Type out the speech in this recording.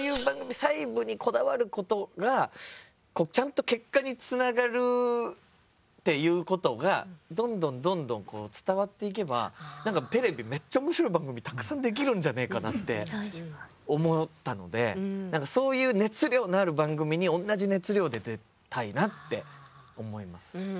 細部にこだわることがちゃんと結果につながるっていうことがどんどんどんどん伝わっていけばテレビめっちゃ面白い番組たくさんできるんじゃねえかなって思ったので何かそういう熱量のある番組に同じ熱量で出たいなって思います。